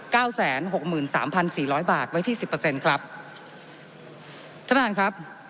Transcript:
แสนหกหมื่นสามพันสี่ร้อยบาทไว้ที่สิบเปอร์เซ็นต์ครับท่านประธานครับ